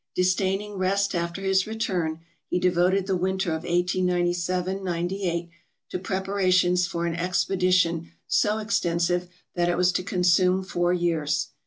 Disdaining rest after his return, he devoted the winter of 1897 98 to preparations for an expedition so extensive that it was to consume four years.